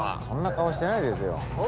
そんな顔してないですよ。